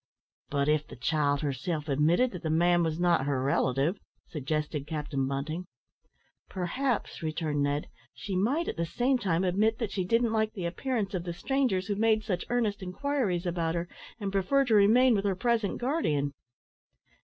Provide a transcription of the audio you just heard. "But if the child herself admitted that the man was not her relative!" suggested Captain Bunting. "Perhaps," returned Ned, "she might at the same time admit that she didn't like the appearance of the strangers who made such earnest inquiries about her, and prefer to remain with her present guardian."